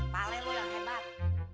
pahale lu yang hebat